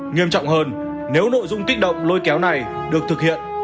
nghiêm trọng hơn nếu nội dung kích động lôi kéo này được thực hiện